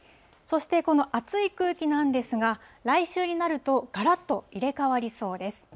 そして、この暑い空気なんですが、来週になると、がらっと入れ代わりそうです。